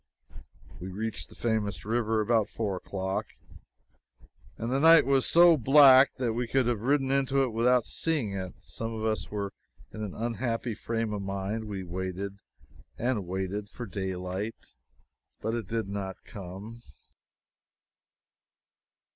We reached the famous river before four o'clock, and the night was so black that we could have ridden into it without seeing it. Some of us were in an unhappy frame of mind. We waited and waited for daylight, but it did not come.